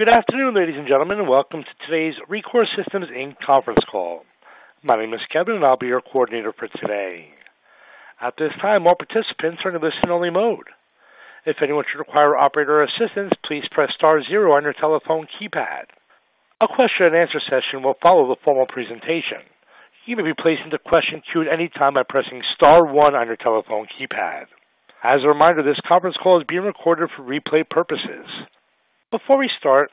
Good afternoon, ladies and gentlemen, and welcome to today's Rekor Systems, Inc. conference call. My name is Kevin, and I'll be your coordinator for today. At this time, all participants are in listen-only mode. If anyone should require operator assistance, please press star zero on your telephone keypad. A question-and-answer session will follow the formal presentation. You may be placed into question queue at any time by pressing star one on your telephone keypad. As a reminder, this conference call is being recorded for replay purposes. Before we start,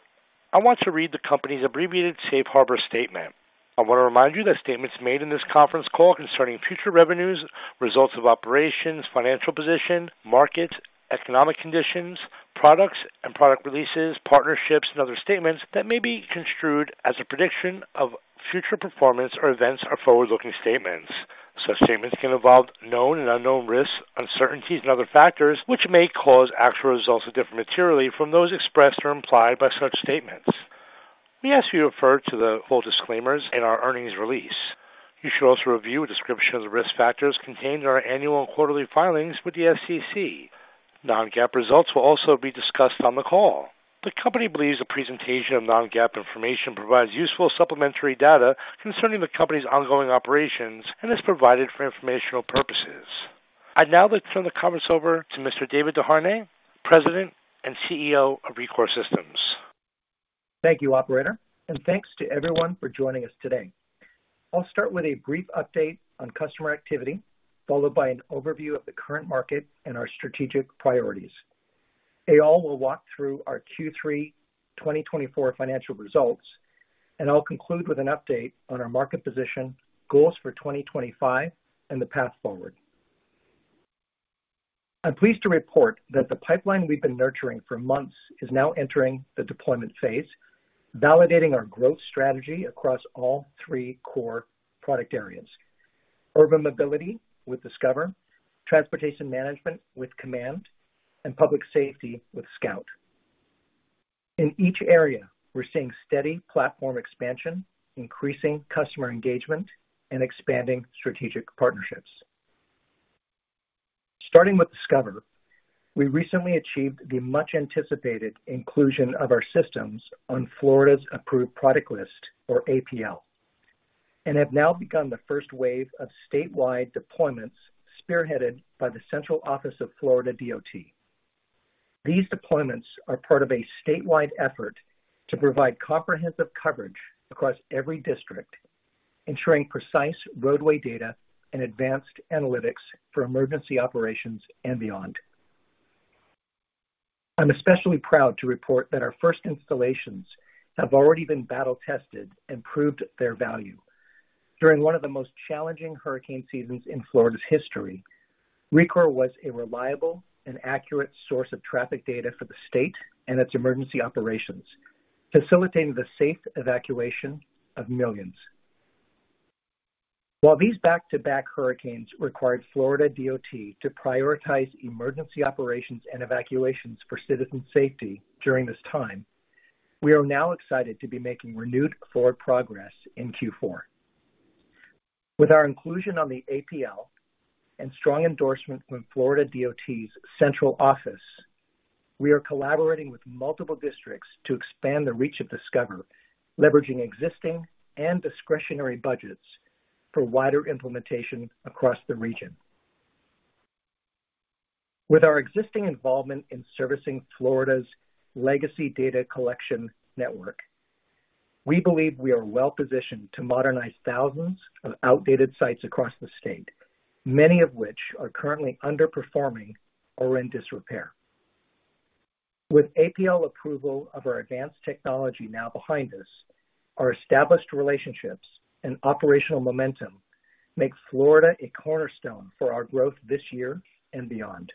I want to read the company's abbreviated safe harbor statement. I want to remind you that statements made in this conference call concerning future revenues, results of operations, financial position, market, economic conditions, products and product releases, partnerships, and other statements that may be construed as a prediction of future performance or events or forward-looking statements. Such statements can involve known and unknown risks, uncertainties, and other factors which may cause actual results to differ materially from those expressed or implied by such statements. We ask that you refer to the full disclaimers in our earnings release. You should also review a description of the risk factors contained in our annual and quarterly filings with the SEC. Non-GAAP results will also be discussed on the call. The company believes the presentation of non-GAAP information provides useful supplementary data concerning the company's ongoing operations and is provided for informational purposes. I'd now like to turn the conference over to Mr. David Desharnais, President and CEO of Rekor Systems. Thank you, Operator, and thanks to everyone for joining us today. I'll start with a brief update on customer activity, followed by an overview of the current market and our strategic priorities. Eyal will walk through our Q3 2024 financial results, and I'll conclude with an update on our market position, goals for 2025, and the path forward. I'm pleased to report that the pipeline we've been nurturing for months is now entering the deployment phase, validating our growth strategy across all three core product areas: urban mobility with Discover, transportation management with Command, and public safety with Scout. In each area, we're seeing steady platform expansion, increasing customer engagement, and expanding strategic partnerships. Starting with Discover, we recently achieved the much-anticipated inclusion of our systems on Florida's Approved Product List, or APL, and have now begun the first wave of statewide deployments spearheaded by the Central Office of Florida DOT. These deployments are part of a statewide effort to provide comprehensive coverage across every district, ensuring precise roadway data and advanced analytics for emergency operations and beyond. I'm especially proud to report that our first installations have already been battle-tested and proved their value. During one of the most challenging hurricane seasons in Florida's history, Rekor was a reliable and accurate source of traffic data for the state and its emergency operations, facilitating the safe evacuation of millions. While these back-to-back hurricanes required Florida DOT to prioritize emergency operations and evacuations for citizen safety during this time, we are now excited to be making renewed forward progress in Q4. With our inclusion on the APL and strong endorsement from FDOT's Central Office, we are collaborating with multiple districts to expand the reach of Discover, leveraging existing and discretionary budgets for wider implementation across the region. With our existing involvement in servicing Florida's legacy data collection network, we believe we are well-positioned to modernize thousands of outdated sites across the state, many of which are currently underperforming or in disrepair. With APL approval of our advanced technology now behind us, our established relationships and operational momentum make Florida a cornerstone for our growth this year and beyond.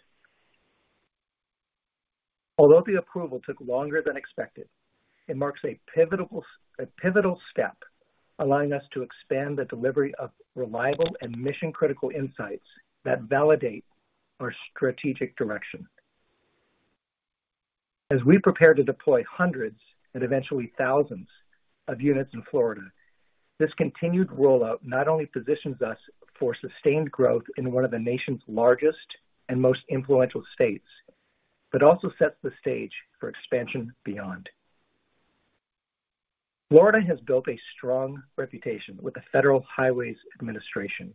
Although the approval took longer than expected, it marks a pivotal step, allowing us to expand the delivery of reliable and mission-critical insights that validate our strategic direction. As we prepare to deploy hundreds and eventually thousands of units in Florida, this continued rollout not only positions us for sustained growth in one of the nation's largest and most influential states, but also sets the stage for expansion beyond. Florida has built a strong reputation with the Federal Highway Administration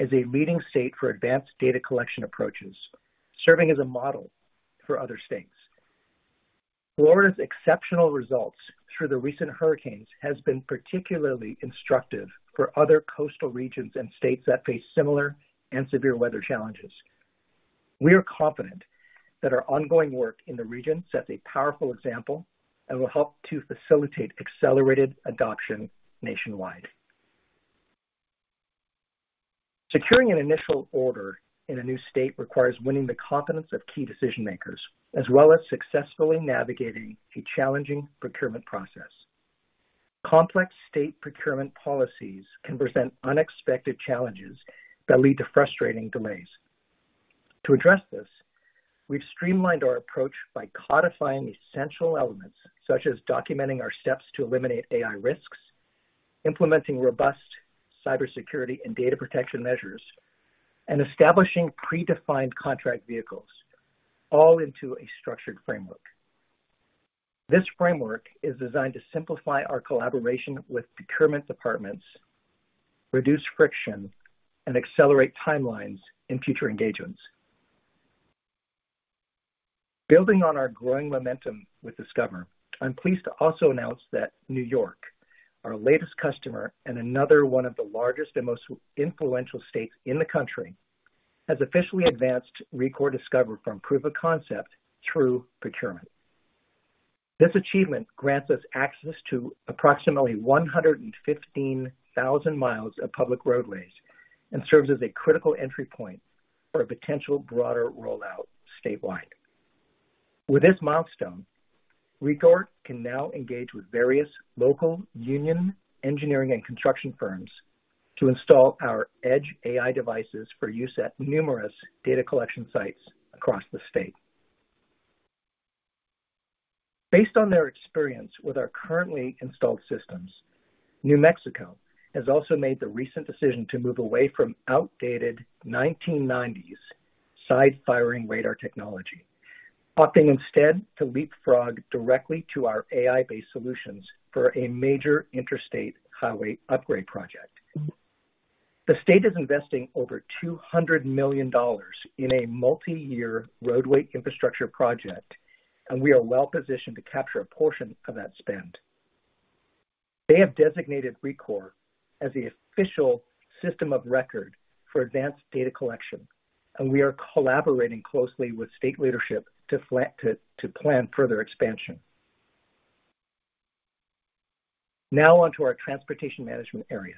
as a leading state for advanced data collection approaches, serving as a model for other states. Florida's exceptional results through the recent hurricanes have been particularly instructive for other coastal regions and states that face similar and severe weather challenges. We are confident that our ongoing work in the region sets a powerful example and will help to facilitate accelerated adoption nationwide. Securing an initial order in a new state requires winning the confidence of key decision-makers, as well as successfully navigating a challenging procurement process. Complex state procurement policies can present unexpected challenges that lead to frustrating delays. To address this, we've streamlined our approach by codifying essential elements such as documenting our steps to eliminate AI risks, implementing robust cybersecurity and data protection measures, and establishing predefined contract vehicles, all into a structured framework. This framework is designed to simplify our collaboration with procurement departments, reduce friction, and accelerate timelines in future engagements. Building on our growing momentum with Discover, I'm pleased to also announce that New York, our latest customer and another one of the largest and most influential states in the country, has officially advanced Rekor Discover from proof of concept through procurement. This achievement grants us access to approximately 115,000 mi of public roadways and serves as a critical entry point for a potential broader rollout statewide. With this milestone, Rekor can now engage with various local union engineering and construction firms to install our edge AI devices for use at numerous data collection sites across the state. Based on their experience with our currently installed systems, New Mexico has also made the recent decision to move away from outdated 1990s side-firing radar technology, opting instead to leapfrog directly to our AI-based solutions for a major interstate highway upgrade project. The state is investing over $200 million in a multi-year roadway infrastructure project, and we are well-positioned to capture a portion of that spend. They have designated Rekor as the official system of record for advanced data collection, and we are collaborating closely with state leadership to plan further expansion. Now on to our transportation management area.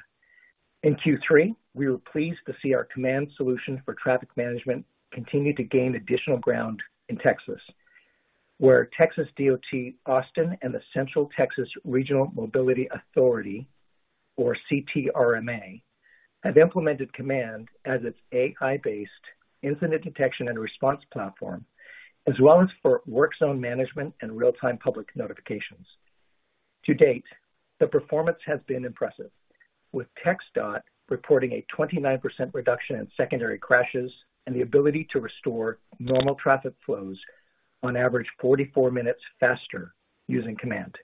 In Q3, we were pleased to see our Command solution for traffic management continue to gain additional ground in Texas, where TxDOT Austin and the Central Texas Regional Mobility Authority, or CTRMA, have implemented Command as its AI-based incident detection and response platform, as well as for work zone management and real-time public notifications. To date, the performance has been impressive, with TxDOT reporting a 29% reduction in secondary crashes and the ability to restore normal traffic flows on average 44 minutes faster using Command.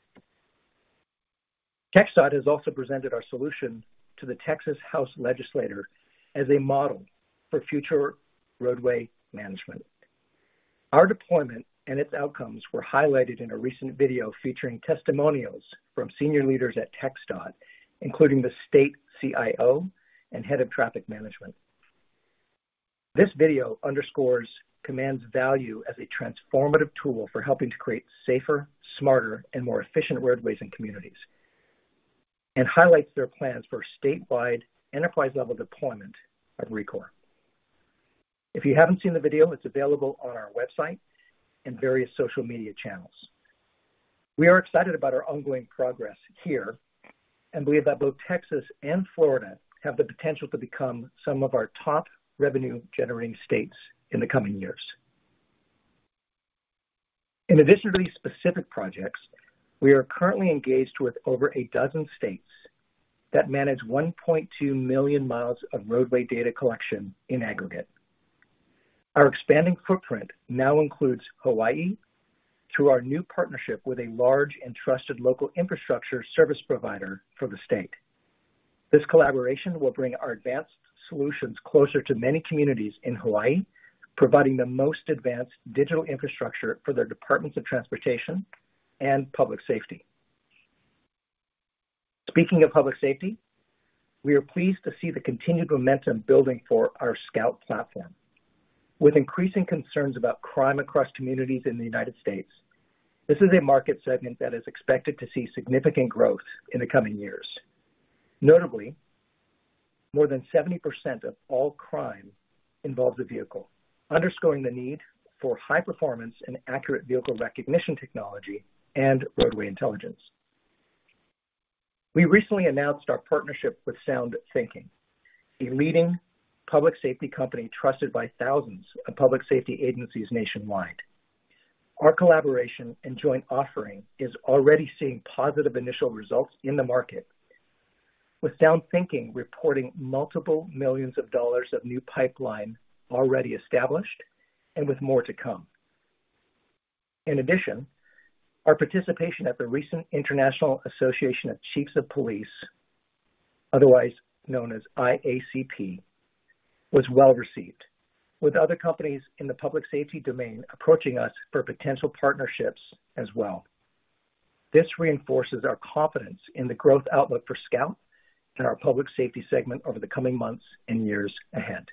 TxDOT has also presented our solution to the Texas House Legislature as a model for future roadway management. Our deployment and its outcomes were highlighted in a recent video featuring testimonials from senior leaders at TxDOT, including the state CIO and head of traffic management. This video underscores Command's value as a transformative tool for helping to create safer, smarter, and more efficient roadways in communities and highlights their plans for statewide enterprise-level deployment of Rekor. If you haven't seen the video, it's available on our website and various social media channels. We are excited about our ongoing progress here and believe that both Texas and Florida have the potential to become some of our top revenue-generating states in the coming years. In addition to these specific projects, we are currently engaged with over a dozen states that manage 1.2 million mi of roadway data collection in aggregate. Our expanding footprint now includes Hawaii through our new partnership with a large and trusted local infrastructure service provider for the state. This collaboration will bring our advanced solutions closer to many communities in Hawaii, providing the most advanced digital infrastructure for their departments of transportation and public safety. Speaking of public safety, we are pleased to see the continued momentum building for our Scout platform. With increasing concerns about crime across communities in the United States, this is a market segment that is expected to see significant growth in the coming years. Notably, more than 70% of all crime involves a vehicle, underscoring the need for high-performance and accurate vehicle recognition technology and roadway intelligence. We recently announced our partnership with SoundThinking, a leading public safety company trusted by thousands of public safety agencies nationwide. Our collaboration and joint offering is already seeing positive initial results in the market, with SoundThinking reporting multiple millions of dollars of new pipeline already established and with more to come. In addition, our participation at the recent International Association of Chiefs of Police, otherwise known as IACP, was well-received, with other companies in the public safety domain approaching us for potential partnerships as well. This reinforces our confidence in the growth outlook for Scout and our public safety segment over the coming months and years ahead.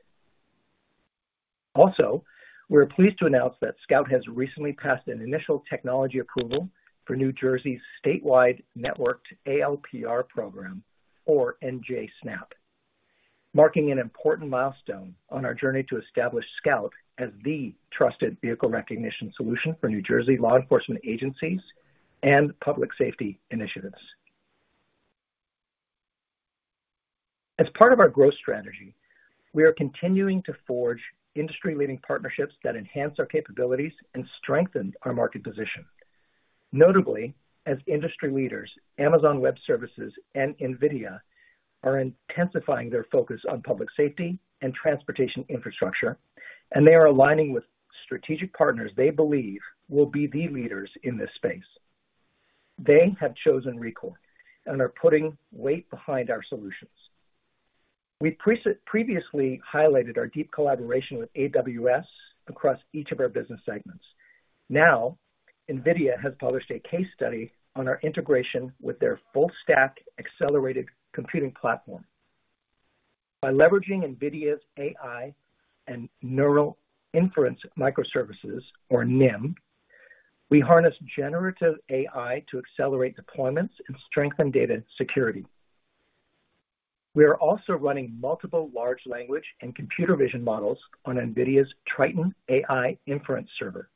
Also, we're pleased to announce that Scout has recently passed an initial technology approval for New Jersey's statewide networked ALPR program, or NJSNAP, marking an important milestone on our journey to establish Scout as the trusted vehicle recognition solution for New Jersey law enforcement agencies and public safety initiatives. As part of our growth strategy, we are continuing to forge industry-leading partnerships that enhance our capabilities and strengthen our market position. Notably, as industry leaders, Amazon Web Services and NVIDIA are intensifying their focus on public safety and transportation infrastructure, and they are aligning with strategic partners they believe will be the leaders in this space. They have chosen Rekor and are putting weight behind our solutions. We've previously highlighted our deep collaboration with AWS across each of our business segments. Now, NVIDIA has published a case study on our integration with their full-stack accelerated computing platform. By leveraging NVIDIA's AI and neural inference microservices, or NIM, we harness generative AI to accelerate deployments and strengthen data security. We are also running multiple large language and computer vision models on NVIDIA's Triton AI Inference Server.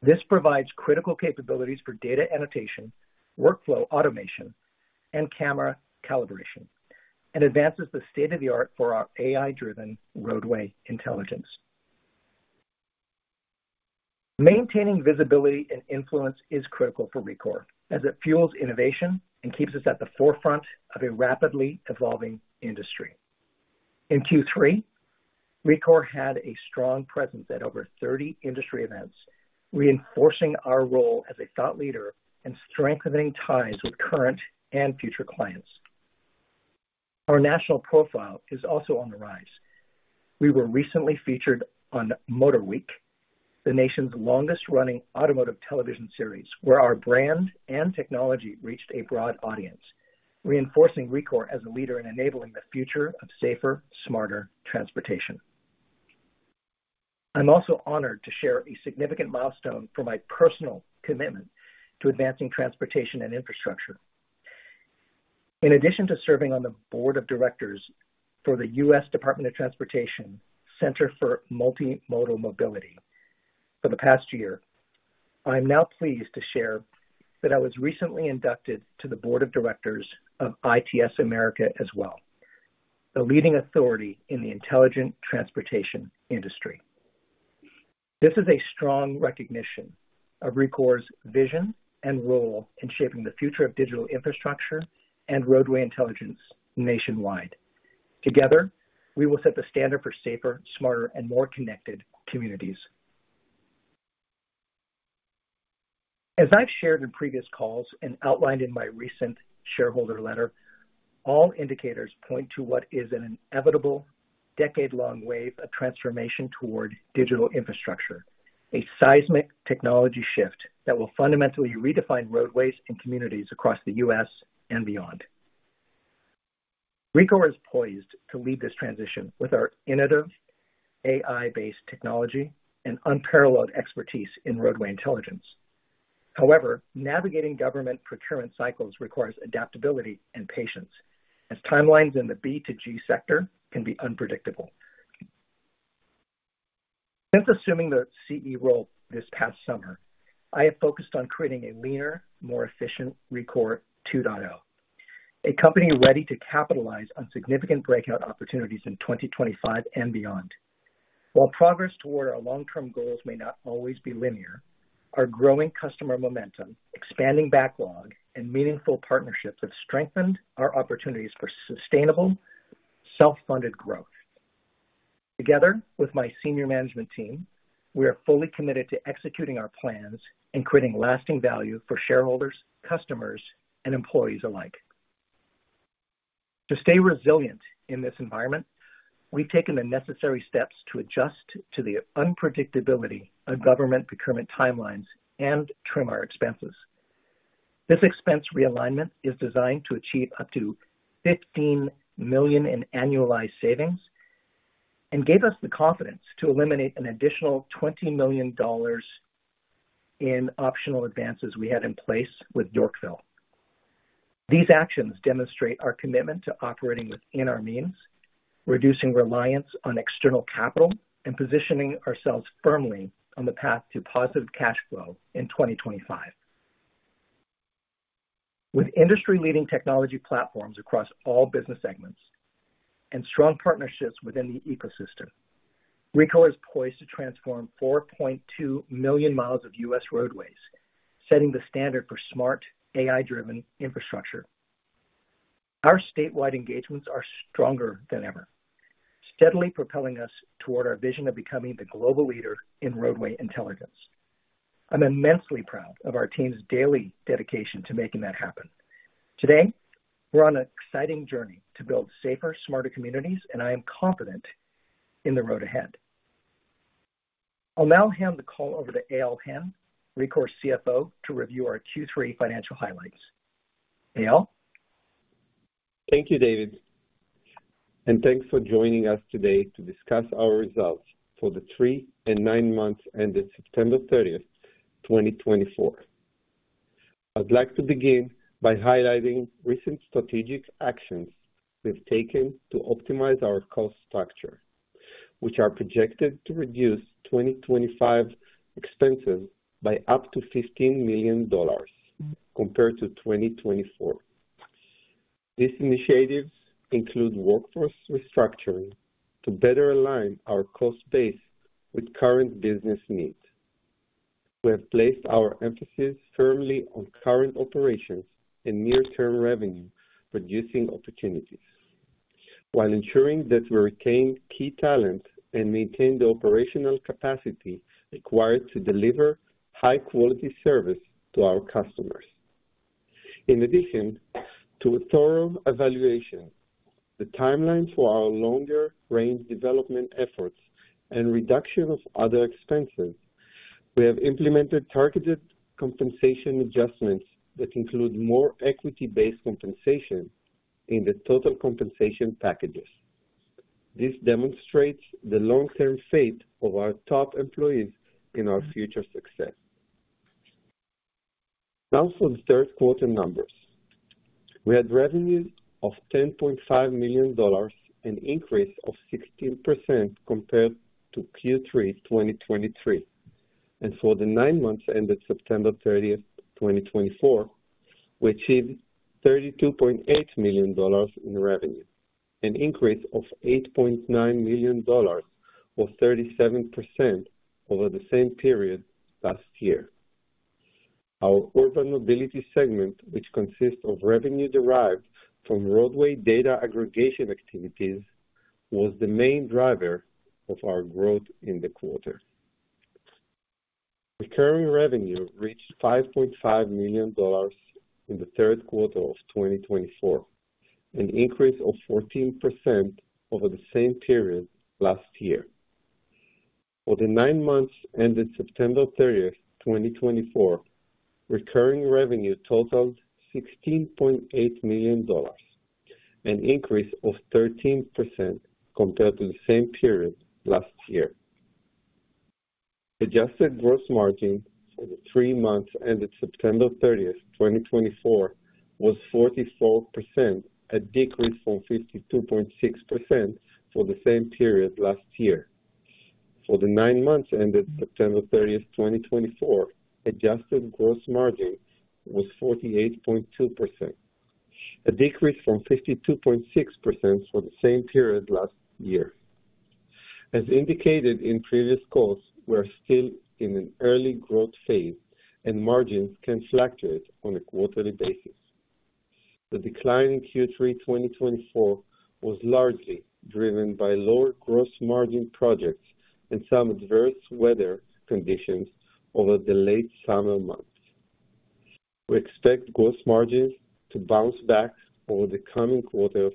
This provides critical capabilities for data annotation, workflow automation, and camera calibration, and advances the state-of-the-art for our AI-driven roadway intelligence. Maintaining visibility and influence is critical for Rekor, as it fuels innovation and keeps us at the forefront of a rapidly evolving industry. In Q3, Rekor had a strong presence at over 30 industry events, reinforcing our role as a thought leader and strengthening ties with current and future clients. Our national profile is also on the rise. We were recently featured on MotorWeek, the nation's longest-running automotive television series, where our brand and technology reached a broad audience, reinforcing Rekor as a leader in enabling the future of safer, smarter transportation. I'm also honored to share a significant milestone for my personal commitment to advancing transportation and infrastructure. In addition to serving on the board of directors for the U.S. Department of Transportation Center for Multimodal Mobility for the past year, I'm now pleased to share that I was recently inducted to the board of directors of ITS America as well, a leading authority in the intelligent transportation industry. This is a strong recognition of Rekor's vision and role in shaping the future of digital infrastructure and roadway intelligence nationwide. Together, we will set the standard for safer, smarter, and more connected communities. As I've shared in previous calls and outlined in my recent shareholder letter, all indicators point to what is an inevitable decade-long wave of transformation toward digital infrastructure, a seismic technology shift that will fundamentally redefine roadways and communities across the U.S. and beyond. Rekor is poised to lead this transition with our innovative AI-based technology and unparalleled expertise in roadway intelligence. However, navigating government procurement cycles requires adaptability and patience, as timelines in the B2G sector can be unpredictable. Since assuming the CEO role this past summer, I have focused on creating a leaner, more efficient Rekor 2.0, a company ready to capitalize on significant breakout opportunities in 2025 and beyond. While progress toward our long-term goals may not always be linear, our growing customer momentum, expanding backlog, and meaningful partnerships have strengthened our opportunities for sustainable, self-funded growth. Together with my senior management team, we are fully committed to executing our plans and creating lasting value for shareholders, customers, and employees alike. To stay resilient in this environment, we've taken the necessary steps to adjust to the unpredictability of government procurement timelines and trim our expenses. This expense realignment is designed to achieve up to $15 million in annualized savings and gave us the confidence to eliminate an additional $20 million in optional advances we had in place with Yorkville. These actions demonstrate our commitment to operating within our means, reducing reliance on external capital, and positioning ourselves firmly on the path to positive cash flow in 2025. With industry-leading technology platforms across all business segments and strong partnerships within the ecosystem, Rekor is poised to transform 4.2 million mi of U.S. roadways, setting the standard for smart, AI-driven infrastructure. Our statewide engagements are stronger than ever, steadily propelling us toward our vision of becoming the global leader in roadway intelligence. I'm immensely proud of our team's daily dedication to making that happen. Today, we're on an exciting journey to build safer, smarter communities, and I am confident in the road ahead. I'll now hand the call over to Eyal Hen, Rekor's CFO, to review our Q3 financial highlights. Eyal? Thank you, David, and thanks for joining us today to discuss our results for the three and nine months ended September 30th, 2024. I'd like to begin by highlighting recent strategic actions we've taken to optimize our cost structure, which are projected to reduce 2025 expenses by up to $15 million compared to 2024. These initiatives include workforce restructuring to better align our cost base with current business needs. We have placed our emphasis firmly on current operations and near-term revenue-producing opportunities, while ensuring that we retain key talent and maintain the operational capacity required to deliver high-quality service to our customers. In addition to thorough evaluation, the timeline for our longer-range development efforts and reduction of other expenses, we have implemented targeted compensation adjustments that include more equity-based compensation in the total compensation packages. This demonstrates the long-term faith of our top employees in our future success. Now for the third quarter numbers. We had revenues of $10.5 million and an increase of 16% compared to Q3 2023. And for the nine months ended September 30th, 2024, we achieved $32.8 million in revenue, an increase of $8.9 million or 37% over the same period last year. Our urban mobility segment, which consists of revenue derived from roadway data aggregation activities, was the main driver of our growth in the quarter. Recurring revenue reached $5.5 million in the third quarter of 2024, an increase of 14% over the same period last year. For the nine months ended September 30th, 2024, recurring revenue totaled $16.8 million, an increase of 13% compared to the same period last year. Adjusted gross margin for the three months ended September 30th, 2024, was 44%, a decrease from 52.6% for the same period last year. For the nine months ended September 30th, 2024, adjusted gross margin was 48.2%, a decrease from 52.6% for the same period last year. As indicated in previous calls, we are still in an early growth phase, and margins can fluctuate on a quarterly basis. The decline in Q3 2024 was largely driven by lower gross margin projects and some adverse weather conditions over the late summer months. We expect gross margins to bounce back over the coming quarters,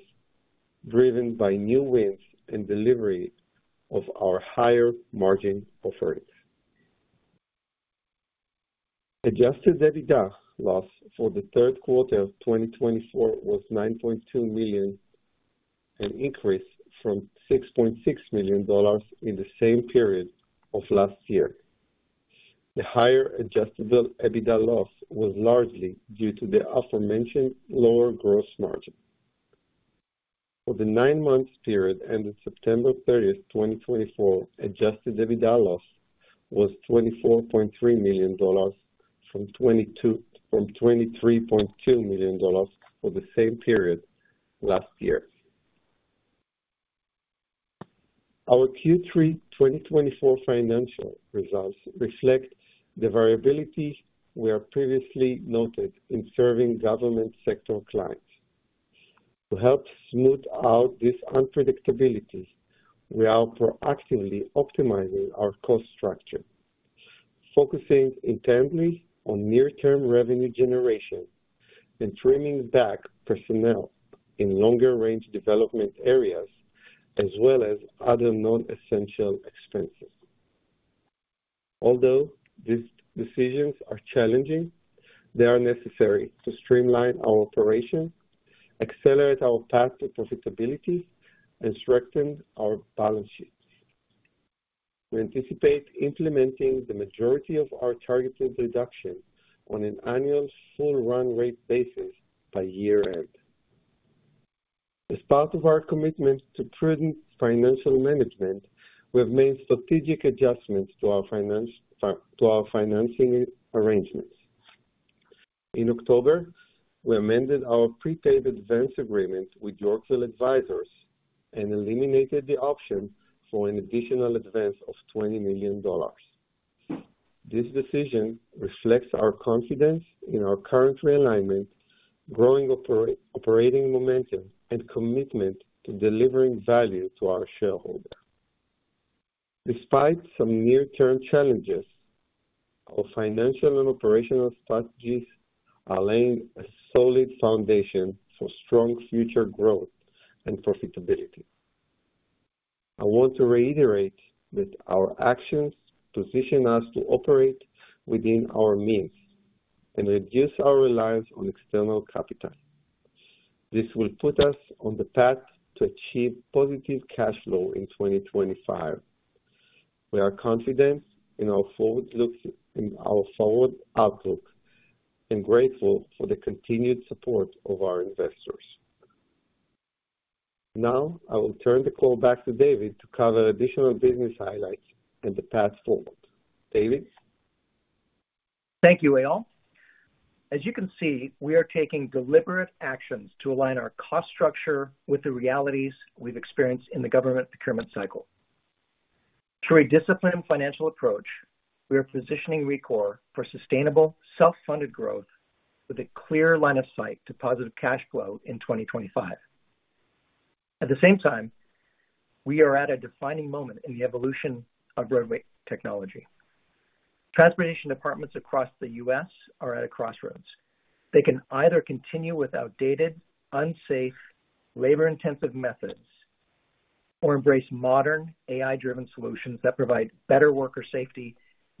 driven by new wins and delivery of our higher margin offerings. Adjusted EBITDA loss for the third quarter of 2024 was $9.2 million, an increase from $6.6 million in the same period of last year. The higher adjusted EBITDA loss was largely due to the aforementioned lower gross margin. For the nine-month period ended September 30th, 2024, adjusted EBITDA loss was $24.3 million from $23.2 million for the same period last year. Our Q3 2024 financial results reflect the variability we have previously noted in serving government sector clients. To help smooth out this unpredictability, we are proactively optimizing our cost structure, focusing intently on near-term revenue generation and trimming back personnel in longer-range development areas, as well as other non-essential expenses. Although these decisions are challenging, they are necessary to streamline our operations, accelerate our path to profitability, and strengthen our balance sheets. We anticipate implementing the majority of our targeted reduction on an annual full-run rate basis by year-end. As part of our commitment to prudent financial management, we have made strategic adjustments to our financing arrangements. In October, we amended our prepaid advance agreement with Yorkville Advisors and eliminated the option for an additional advance of $20 million. This decision reflects our confidence in our current realignment, growing operating momentum, and commitment to delivering value to our shareholders. Despite some near-term challenges, our financial and operational strategies are laying a solid foundation for strong future growth and profitability. I want to reiterate that our actions position us to operate within our means and reduce our reliance on external capital. This will put us on the path to achieve positive cash flow in 2025. We are confident in our forward outlook and grateful for the continued support of our investors. Now, I will turn the call back to David to cover additional business highlights and the path forward. David? Thank you, Eyal. As you can see, we are taking deliberate actions to align our cost structure with the realities we've experienced in the government procurement cycle. Through a disciplined financial approach, we are positioning Rekor for sustainable, self-funded growth with a clear line of sight to positive cash flow in 2025. At the same time, we are at a defining moment in the evolution of roadway technology. Transportation departments across the U.S. are at a crossroads. They can either continue with outdated, unsafe, labor-intensive methods or embrace modern, AI-driven solutions that provide better worker safety,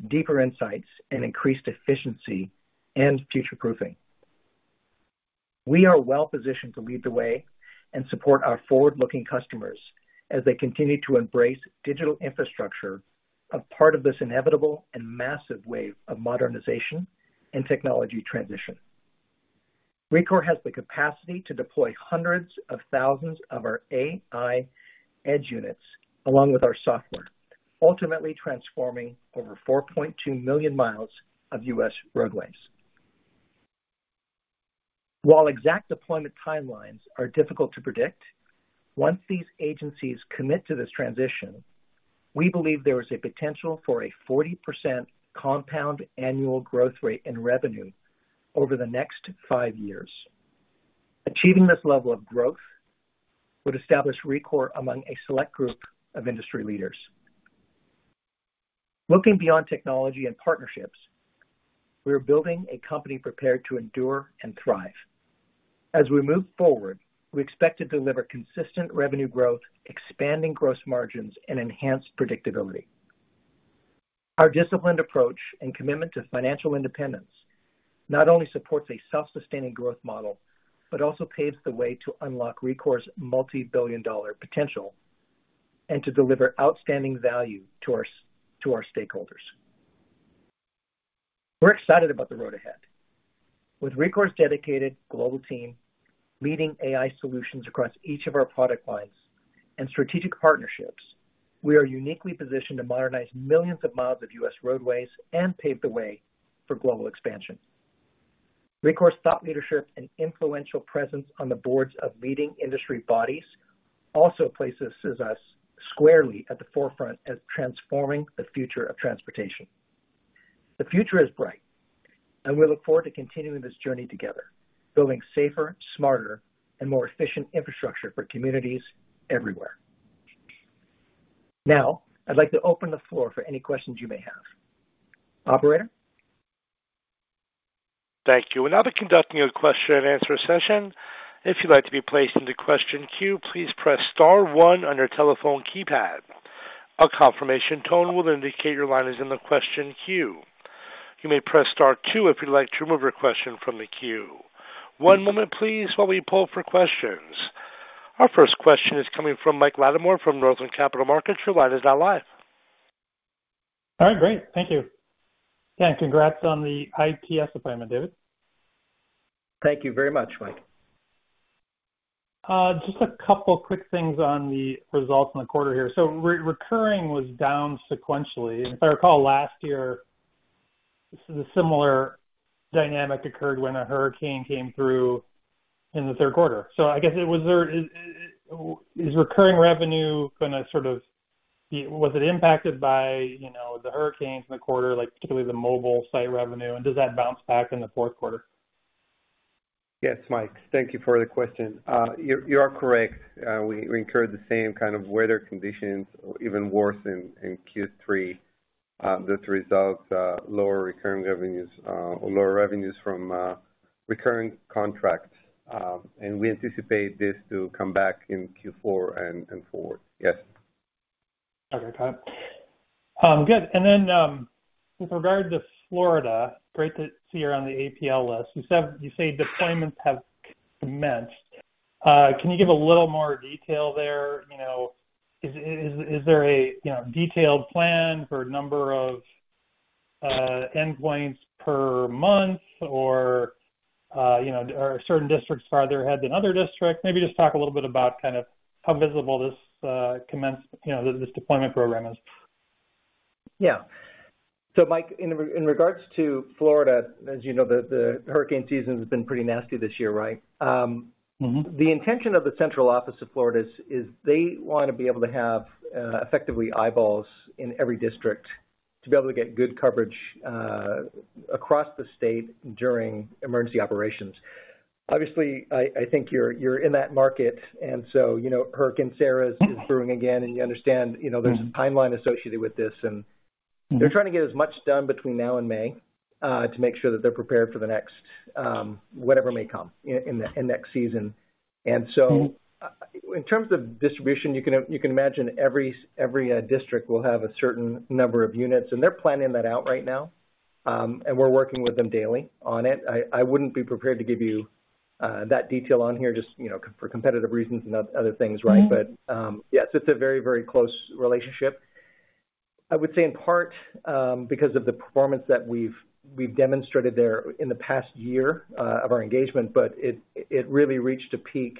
deeper insights, and increased efficiency and future-proofing. We are well-positioned to lead the way and support our forward-looking customers as they continue to embrace digital infrastructure as part of this inevitable and massive wave of modernization and technology transition. Rekor has the capacity to deploy hundreds of thousands of our AI edge units along with our software, ultimately transforming over 4.2 million mi of U.S. roadways. While exact deployment timelines are difficult to predict, once these agencies commit to this transition, we believe there is a potential for a 40% compound annual growth rate in revenue over the next five years. Achieving this level of growth would establish Rekor among a select group of industry leaders. Looking beyond technology and partnerships, we are building a company prepared to endure and thrive. As we move forward, we expect to deliver consistent revenue growth, expanding gross margins, and enhanced predictability. Our disciplined approach and commitment to financial independence not only supports a self-sustaining growth model, but also paves the way to unlock Rekor's multi-billion dollar potential and to deliver outstanding value to our stakeholders. We're excited about the road ahead. With Rekor's dedicated global team leading AI solutions across each of our product lines and strategic partnerships, we are uniquely positioned to modernize millions of miles of U.S. roadways and pave the way for global expansion. Rekor's thought leadership and influential presence on the boards of leading industry bodies also places us squarely at the forefront of transforming the future of transportation. The future is bright, and we look forward to continuing this journey together, building safer, smarter, and more efficient infrastructure for communities everywhere. Now, I'd like to open the floor for any questions you may have. Operator? Thank you. We are now conducting a question-and-answer session. If you'd like to be placed in the question queue, please press Star one on your telephone keypad. A confirmation tone will indicate your line is in the question queue. You may press Star two if you'd like to remove your question from the queue. One moment, please, while we pull up for questions. Our first question is coming from Mike Latimore from Northland Capital Markets. Your line is now live. All right. Great. Thank you. And congrats on the ITS appointment, David. Thank you very much, Mike. Just a couple of quick things on the results in the quarter here. So recurring was down sequentially. And if I recall, last year, the similar dynamic occurred when a hurricane came through in the third quarter. So I guess, is recurring revenue going to sort of be—was it impacted by the hurricanes in the quarter, like particularly the mobile site revenue? And does that bounce back in the fourth quarter? Yes, Mike. Thank you for the question. You are correct. We incurred the same kind of weather conditions, even worse in Q3, that resulted in lower recurring revenues or lower revenues from recurring contracts. And we anticipate this to come back in Q4 and forward. Yes. Okay. Got it. Good. And then with regard to Florida, great to see you're on the APL list. You say deployments have commenced. Can you give a little more detail there? Is there a detailed plan for a number of endpoints per month or are certain districts farther ahead than other districts? Maybe just talk a little bit about kind of how visible this deployment program is. Yeah. So Mike, in regards to Florida, as you know, the hurricane season has been pretty nasty this year, right? The intention of the Central Office of Florida is they want to be able to have effectively eyeballs in every district to be able to get good coverage across the state during emergency operations. Obviously, I think you're in that market. And so Hurricane Sara is brewing again. And you understand there's a timeline associated with this. And they're trying to get as much done between now and May to make sure that they're prepared for the next whatever may come in the next season. And so in terms of distribution, you can imagine every district will have a certain number of units. And they're planning that out right now. And we're working with them daily on it. I wouldn't be prepared to give you that detail on here just for competitive reasons and other things, right? But yes, it's a very, very close relationship. I would say in part because of the performance that we've demonstrated there in the past year of our engagement, but it really reached a peak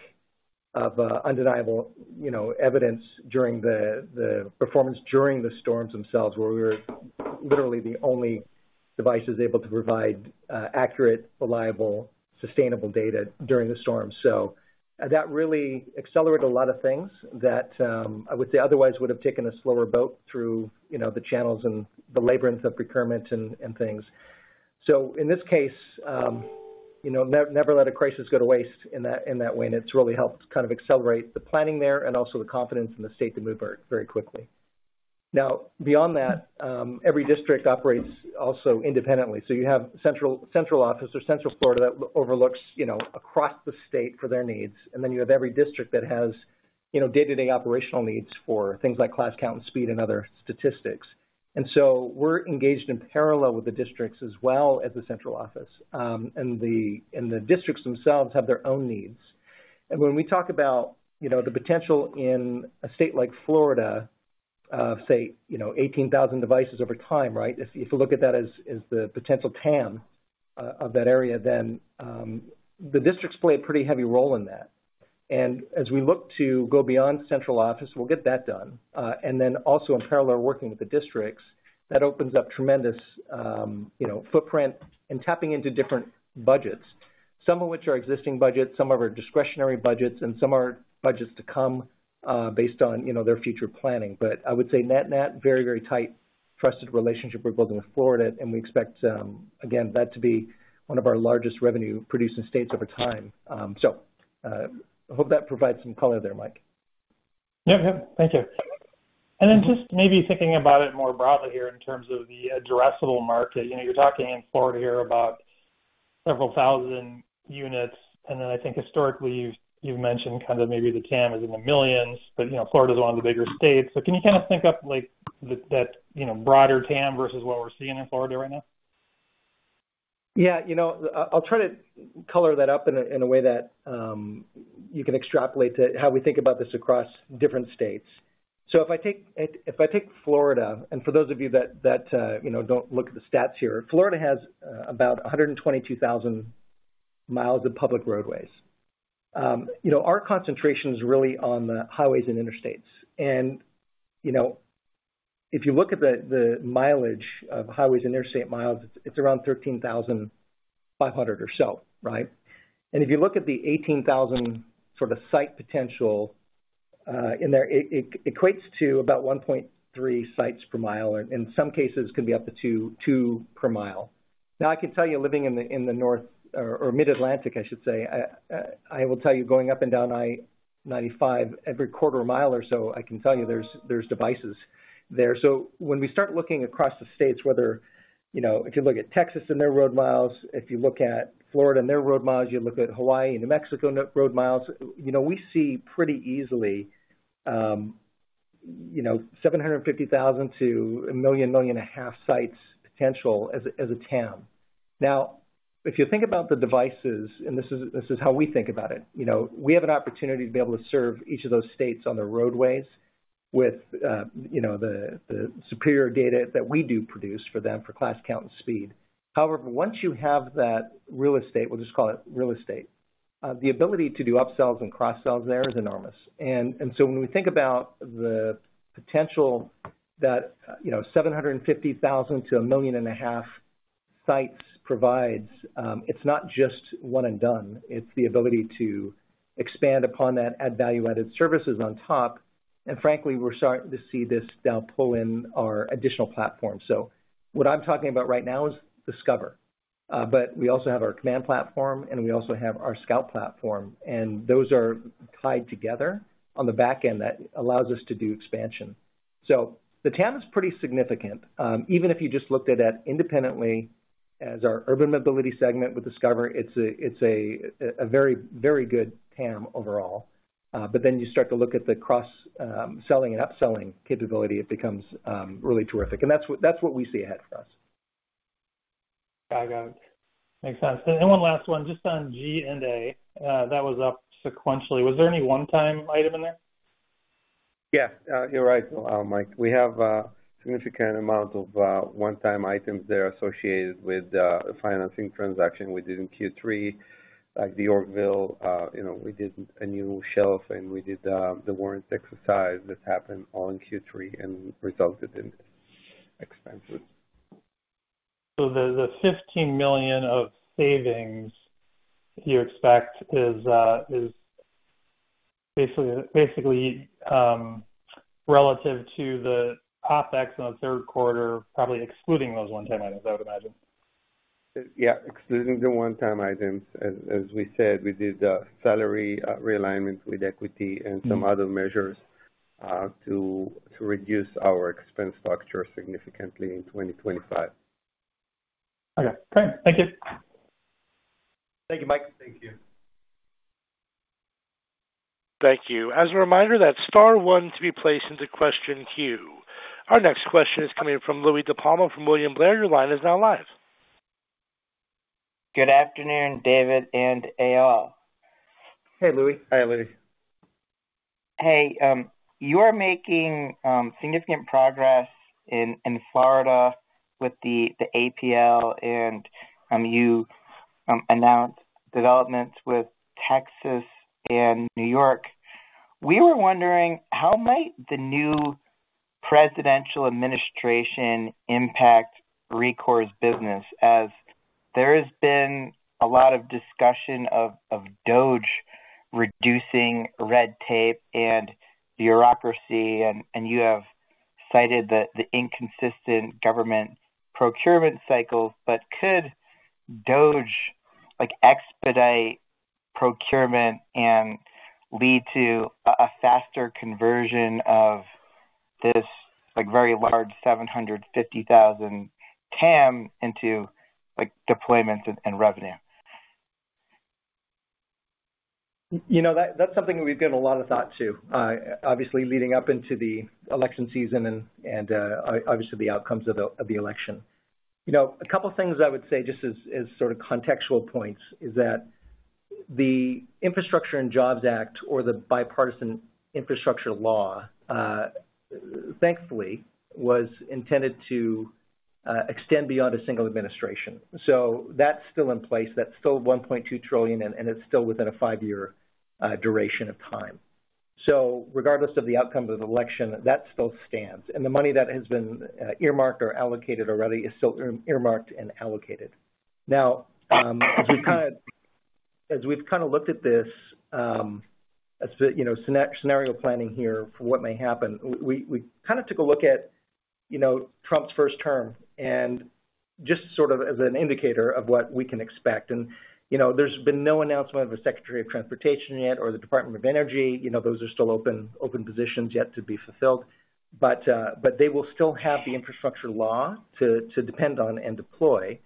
of undeniable evidence during the performance during the storms themselves, where we were literally the only devices able to provide accurate, reliable, sustainable data during the storm. So that really accelerated a lot of things that I would say otherwise would have taken a slower boat through the channels and the labyrinth of procurement and things. So in this case, never let a crisis go to waste in that way. And it's really helped kind of accelerate the planning there and also the confidence in the state to move very quickly. Now, beyond that, every district operates also independently. So you have Central Office or Central Florida that overlooks across the state for their needs. And then you have every district that has day-to-day operational needs for things like crash count and speed and other statistics. And so we're engaged in parallel with the districts as well as the Central Office. And the districts themselves have their own needs. And when we talk about the potential in a state like Florida of, say, 18,000 devices over time, right? If you look at that as the potential TAM of that area, then the districts play a pretty heavy role in that. And as we look to go beyond Central Office, we'll get that done. And then also in parallel, working with the districts, that opens up tremendous footprint and tapping into different budgets, some of which are existing budgets, some of our discretionary budgets, and some are budgets to come based on their future planning. But I would say net-net, very, very tight, trusted relationship we're building with Florida. And we expect, again, that to be one of our largest revenue-producing states over time. So I hope that provides some color there, Mike. Yeah. Yeah. Thank you. And then just maybe thinking about it more broadly here in terms of the addressable market. You're talking in Florida here about several thousand units. And then I think historically, you've mentioned kind of maybe the TAM is in the millions, but Florida is one of the bigger states. So can you kind of think up that broader TAM versus what we're seeing in Florida right now? Yeah. I'll try to color that up in a way that you can extrapolate to how we think about this across different states. So if I take Florida, and for those of you that don't look at the stats here, Florida has about 122,000 mi of public roadways. Our concentration is really on the highways and interstates. And if you look at the mileage of highways and interstate miles, it's around 13,500 or so, right? And if you look at the 18,000 sort of site potential in there, it equates to about 1.3 sites per mile. In some cases, it can be up to two per mile. Now, I can tell you living in the north or mid-Atlantic, I should say, I will tell you going up and down I-95, every quarter mile or so, I can tell you there's devices there. So when we start looking across the states, whether if you look at Texas and their road miles, if you look at Florida and their road miles, you look at Hawaii and New Mexico road miles, we see pretty easily 750,000 to a million, million and a half sites potential as a TAM. Now, if you think about the devices, and this is how we think about it, we have an opportunity to be able to serve each of those states on their roadways with the superior data that we do produce for them for class count and speed. However, once you have that real estate, we'll just call it real estate, the ability to do upsells and cross-sells there is enormous. And so when we think about the potential that 750,000 to a million and a half sites provides, it's not just one and done. It's the ability to expand upon that, add value-added services on top, and frankly, we're starting to see this now pull in our additional platform, so what I'm talking about right now is Discover, but we also have our Command Platform, and we also have our Scout Platform, and those are tied together on the back end that allows us to do expansion, so the TAM is pretty significant. Even if you just looked at that independently as our urban mobility segment with Discover, it's a very, very good TAM overall, but then you start to look at the cross-selling and upselling capability, it becomes really terrific, and that's what we see ahead for us. I got it. Makes sense, and one last one, just on G&A, that was up sequentially. Was there any one-time item in there? Yeah. You're right, Mike. We have a significant amount of one-time items there associated with the financing transaction we did in Q3, like the Yorkville. We did a new shelf, and we did the warrant exercise. This happened all in Q3 and resulted in expenses. So the $15 million of savings you expect is basically relative to the OpEx in the third quarter, probably excluding those one-time items, I would imagine. Yeah. Excluding the one-time items. As we said, we did salary realignment with equity and some other measures to reduce our expense structure significantly in 2025. Okay. Great. Thank you. Thank you, Mike. Thank you. Thank you. As a reminder, that's Star one to be placed into question queue. Our next question is coming from Louie DiPalma from William Blair. Your line is now live. Good afternoon, David and Eyal. Hey, Louie. Hi, Louie. Hey. You're making significant progress in Florida with the APL, and you announced developments with Texas and New York. We were wondering how might the new presidential administration impact Rekor's business, as there has been a lot of discussion of DOGE reducing red tape and bureaucracy. And you have cited the inconsistent government procurement cycles. But could DOGE expedite procurement and lead to a faster conversion of this very large 750,000 TAM into deployments and revenue? That's something we've given a lot of thought to, obviously, leading up into the election season and obviously the outcomes of the election. A couple of things I would say just as sort of contextual points is that the Infrastructure Investment and Jobs Act or the Bipartisan Infrastructure Law, thankfully, was intended to extend beyond a single administration. So that's still in place. That's still $1.2 trillion, and it's still within a five-year duration of time. Regardless of the outcome of the election, that still stands. And the money that has been earmarked or allocated already is still earmarked and allocated. Now, as we've kind of looked at this scenario planning here for what may happen, we kind of took a look at Trump's first term and just sort of as an indicator of what we can expect. And there's been no announcement of a Secretary of Transportation yet or the Department of Energy. Those are still open positions yet to be fulfilled. But they will still have the infrastructure law to depend on and deploy.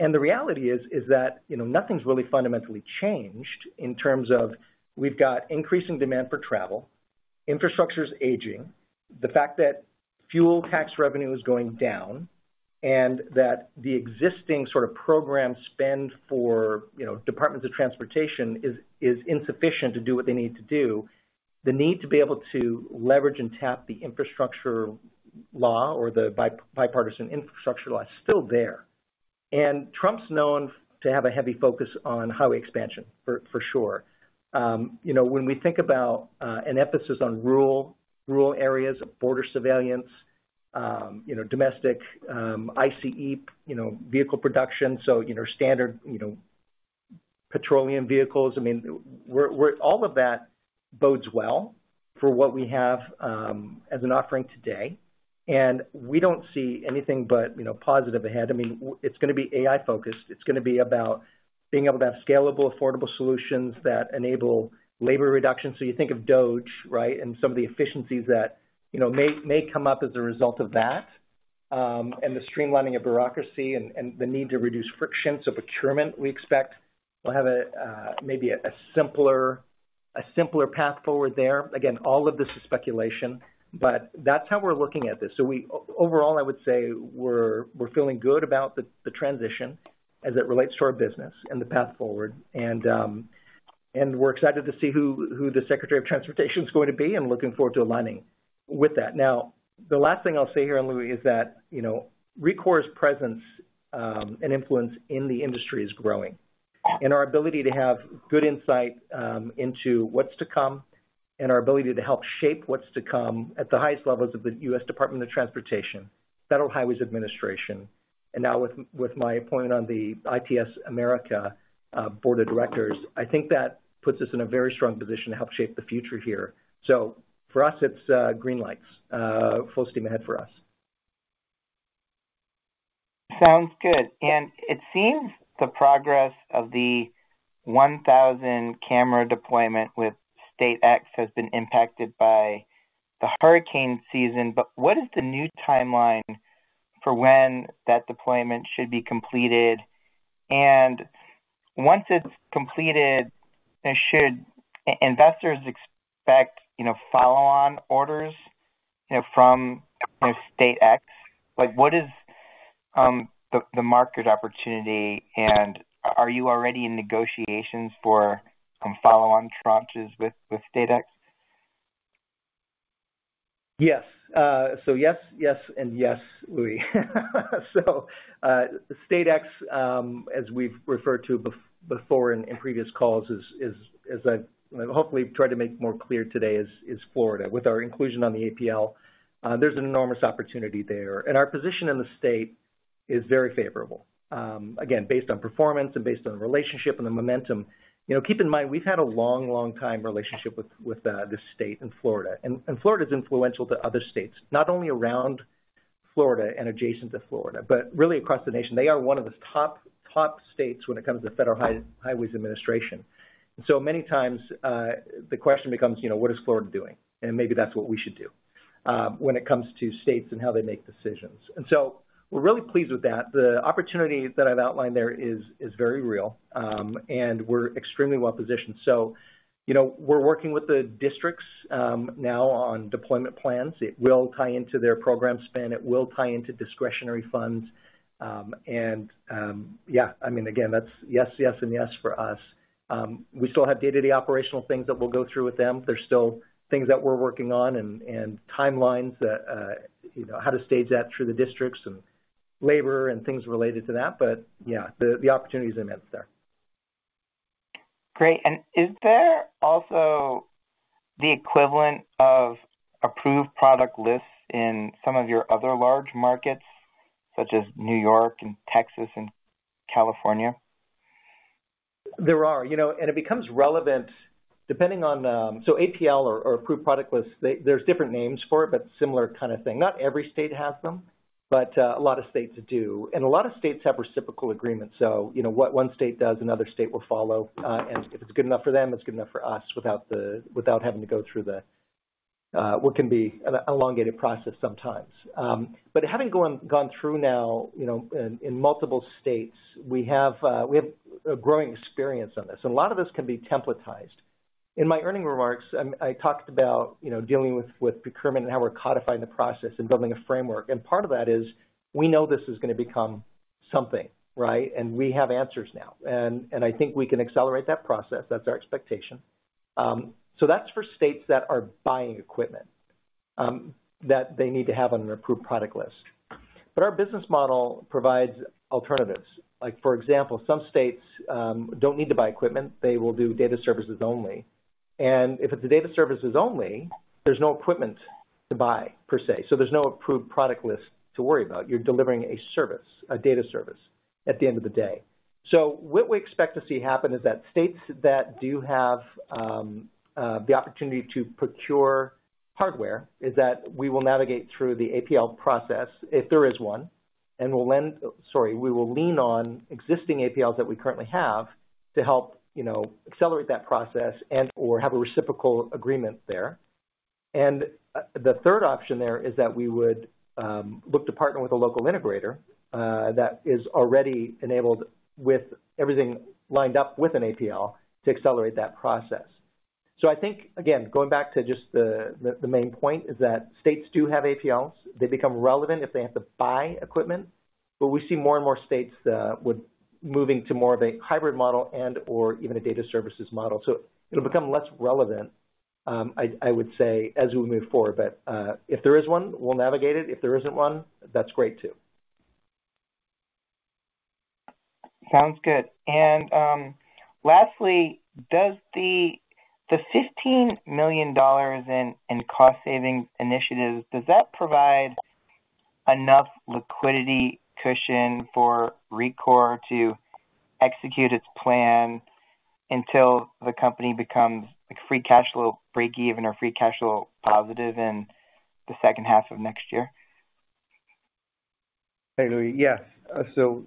And the reality is that nothing's really fundamentally changed in terms of we've got increasing demand for travel, infrastructure's aging, the fact that fuel tax revenue is going down, and that the existing sort of program spend for departments of transportation is insufficient to do what they need to do. The need to be able to leverage and tap the infrastructure law or the Bipartisan Infrastructure Law is still there. And Trump's known to have a heavy focus on highway expansion, for sure. When we think about an emphasis on rural areas, border surveillance, domestic ICE vehicle production, so standard petroleum vehicles, I mean, all of that bodes well for what we have as an offering today. And we don't see anything but positive ahead. I mean, it's going to be AI-focused. It's going to be about being able to have scalable, affordable solutions that enable labor reduction. So you think of DOGE, right, and some of the efficiencies that may come up as a result of that and the streamlining of bureaucracy and the need to reduce friction. So procurement, we expect we'll have maybe a simpler path forward there. Again, all of this is speculation. But that's how we're looking at this. So overall, I would say we're feeling good about the transition as it relates to our business and the path forward. And we're excited to see who the Secretary of Transportation is going to be and looking forward to aligning with that. Now, the last thing I'll say here, Louie, is that Rekor's presence and influence in the industry is growing. Our ability to have good insight into what's to come and our ability to help shape what's to come at the highest levels of the U.S. Department of Transportation, Federal Highway Administration, and now with my appointment on the ITS America Board of Directors, I think that puts us in a very strong position to help shape the future here. So for us, it's green lights, full steam ahead for us. Sounds good. It seems the progress of the 1,000 camera deployment with State X has been impacted by the hurricane season. But what is the new timeline for when that deployment should be completed? And once it's completed, should investors expect follow-on orders from State X? What is the market opportunity? And are you already in negotiations for some follow-on tranches with State X? Yes. So yes, yes, and yes, Louie. State X, as we've referred to before in previous calls, as I've hopefully tried to make more clear today, is Florida. With our inclusion on the APL, there's an enormous opportunity there. And our position in the state is very favorable. Again, based on performance and based on the relationship and the momentum. Keep in mind, we've had a long, long-time relationship with this state and Florida. And Florida is influential to other states, not only around Florida and adjacent to Florida, but really across the nation. They are one of the top states when it comes to Federal Highway Administration. And so many times, the question becomes, what is Florida doing? And maybe that's what we should do when it comes to states and how they make decisions. And so we're really pleased with that. The opportunity that I've outlined there is very real, and we're extremely well-positioned. So we're working with the districts now on deployment plans. It will tie into their program spend. It will tie into discretionary funds. And yeah, I mean, again, that's yes, yes, and yes for us. We still have day-to-day operational things that we'll go through with them. There's still things that we're working on and timelines, how to stage that through the districts and labor and things related to that. But yeah, the opportunity is immense there. Great. And is there also the equivalent of Approved Product Lists in some of your other large markets, such as New York and Texas and California? There are. And it becomes relevant depending on so APL or Approved Product Lists, there's different names for it, but similar kind of thing. Not every state has them, but a lot of states do. And a lot of states have reciprocal agreements. So what one state does, another state will follow. And if it's good enough for them, it's good enough for us without having to go through what can be an elongated process sometimes. But having gone through now in multiple states, we have a growing experience on this. And a lot of this can be templatized. In my earnings remarks, I talked about dealing with procurement and how we're codifying the process and building a framework. And part of that is we know this is going to become something, right? And we have answers now. And I think we can accelerate that process. That's our expectation. So that's for states that are buying equipment that they need to have on an Approved Product List. But our business model provides alternatives. For example, some states don't need to buy equipment. They will do data services only. If it's data services only, there's no equipment to buy, per se. So there's no Approved Product List to worry about. You're delivering a service, a data service at the end of the day. So what we expect to see happen is that states that do have the opportunity to procure hardware is that we will navigate through the APL process if there is one. And we'll lean on existing APLs that we currently have to help accelerate that process and/or have a reciprocal agreement there. And the third option there is that we would look to partner with a local integrator that is already enabled with everything lined up with an APL to accelerate that process. So I think, again, going back to just the main point is that states do have APLs. They become relevant if they have to buy equipment. But we see more and more states moving to more of a hybrid model and/or even a data services model. So it'll become less relevant, I would say, as we move forward. But if there is one, we'll navigate it. If there isn't one, that's great too. Sounds good. And lastly, does the $15 million in cost-saving initiatives, does that provide enough liquidity cushion for Rekor to execute its plan until the company becomes free cash flow break-even or free cash flow positive in the second half of next year? Hey, Louie. Yes. So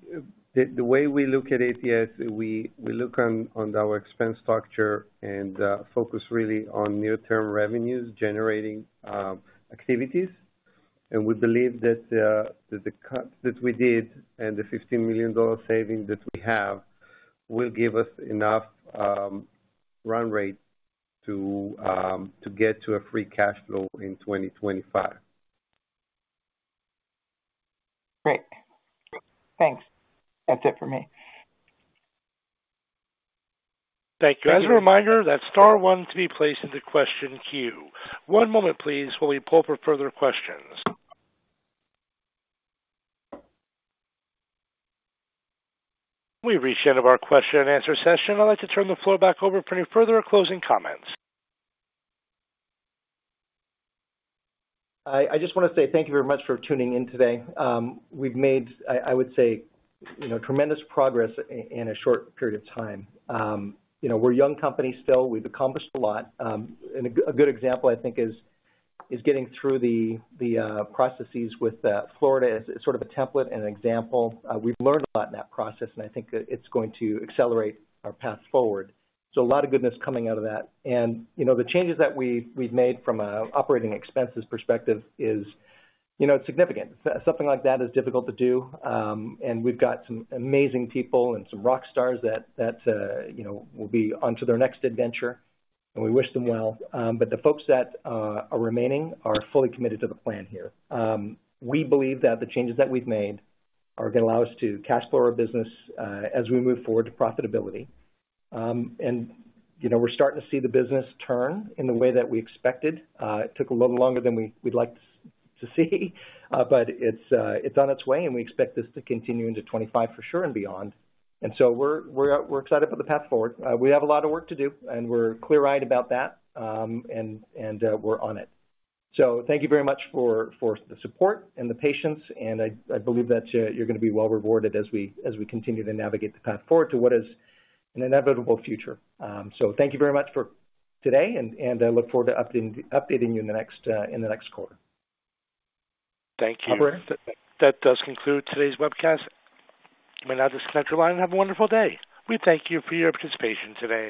the way we look at it, yes, we look on our expense structure and focus really on near-term revenues-generating activities. And we believe that the cuts that we did and the $15 million savings that we have will give us enough run rate to get to a free cash flow in 2025. Great. Thanks. That's it for me. Thank you. As a reminder, that's Star one to be placed into question queue. One moment, please, while we pull for further questions. We've reached the end of our question-and-answer session. I'd like to turn the floor back over for any further closing comments. I just want to say thank you very much for tuning in today. We've made, I would say, tremendous progress in a short period of time. We're a young company still. We've accomplished a lot. And a good example, I think, is getting through the processes with Florida as sort of a template and an example. We've learned a lot in that process, and I think it's going to accelerate our path forward. So a lot of goodness coming out of that. And the changes that we've made from an operating expenses perspective is significant. Something like that is difficult to do. And we've got some amazing people and some rock stars that will be onto their next adventure. And we wish them well. But the folks that are remaining are fully committed to the plan here. We believe that the changes that we've made are going to allow us to cash flow our business as we move forward to profitability. And we're starting to see the business turn in the way that we expected. It took a little longer than we'd like to see. But it's on its way, and we expect this to continue into 2025 for sure and beyond. And so we're excited for the path forward. We have a lot of work to do, and we're clear-eyed about that, and we're on it. So thank you very much for the support and the patience. And I believe that you're going to be well-rewarded as we continue to navigate the path forward to what is an inevitable future. So thank you very much for today, and I look forward to updating you in the next quarter. Thank you. That does conclude today's webcast. You may now disconnect your line and have a wonderful day. We thank you for your participation today.